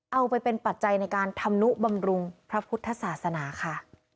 เอาไปเป็นปัจจัยในการทำนุบำรุงพระพุทธศาสนาค่ะ